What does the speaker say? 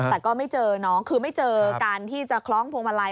แต่ก็ไม่เจอน้องคือไม่เจอการที่จะคล้องพวงมาลัย